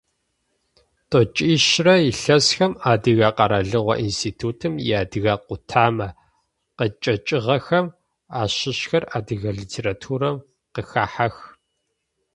Тӏокӏищрэ илъэсхэм Адыгэ къэралыгъо институтым иадыгэ къутамэ къычӏэкӏыгъэхэм ащыщхэр адыгэ литературэм къыхахьэх.